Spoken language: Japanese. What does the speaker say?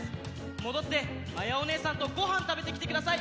もどってまやおねえさんとごはんたべてきてください。